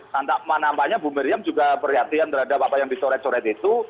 tantang manampanya bu miriam juga perhatian terhadap apa yang dicoret coret itu